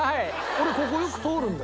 俺ここよく通るんだよ。